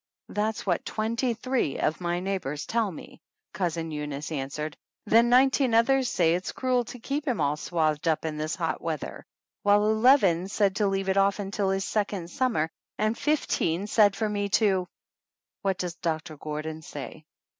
"That's what twenty three of my neighbors tell me," Cousin Eunice answered, "then nine teen others say it's cruel to keep him all swathed up in this hot weather, while eleven said to leave it off until his second summer, and fifteen said for me to " "What does Doctor Gordon say?"